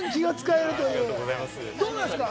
どうなんですか？